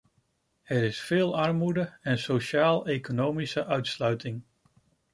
Er is veel armoede en sociaal-economische uitsluiting.